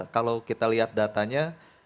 kalau kita lihat datanya